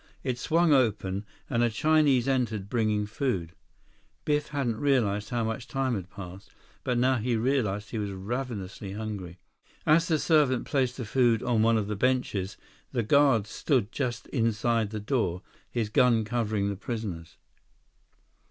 It swung open, and a Chinese entered bringing food. Biff hadn't realized how much time had passed. But now he realized he was ravenously hungry. As the servant placed the food on one of the benches, the guard stood just inside the door, his gun covering the prisoners.